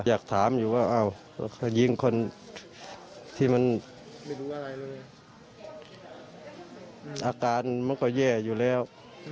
อยากถามอยู่ว่าเอ้ายิงคนที่มันอาการมันก็เย่อยู่แล้ว